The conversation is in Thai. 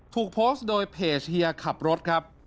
ถูกโพสต์โดยเพจเฮียขับรถครับ